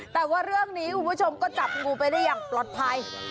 แต่ว่าเรื่องนี้คุณผู้ชมก็จับงูไปได้อย่างปลอดภัย